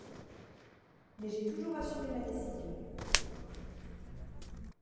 Mais j'ai toujours assumé ma décision.